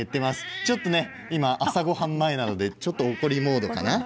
ちょっと今、朝ごはん前なので怒りモードかな？